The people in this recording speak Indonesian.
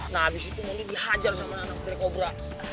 nah abis itu mondi dihajar sama anak black cobra